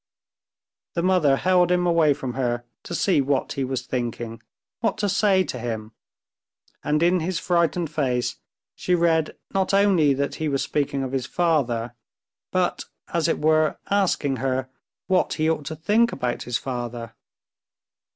The mother held him away from her to see what he was thinking, what to say to him, and in his frightened face she read not only that he was speaking of his father, but, as it were, asking her what he ought to think about his father.